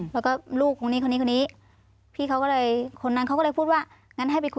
แล้วก็ลูกคนนี้คนนี้